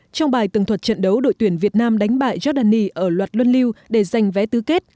trong bài từng thuật trận đấu đội tuyển việt nam đánh bại giordani ở loạt luân liêu để giành vé tứ kết